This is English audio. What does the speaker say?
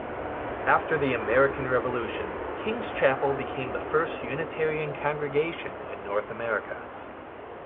After the American Revolution, King's Chapel became the first Unitarian congregation in North America.